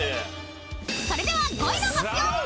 ［それでは５位の発表］